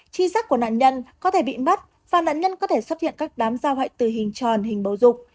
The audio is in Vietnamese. chi sát của nạn nhân có thể bị mất và nạn nhân có thể xuất hiện các đám giao hại từ hình tròn hình bấu rục